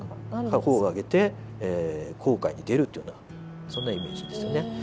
帆を揚げて航海に出るというようなそんなイメージですよね。